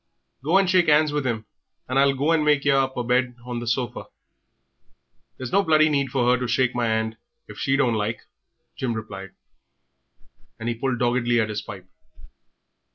Go and shake 'ands with 'im, and I'll go and make yer up a bed on the sofa." "There's no bloody need for 'er to shake my 'and if she don't like," Jim replied, and he pulled doggedly at his pipe.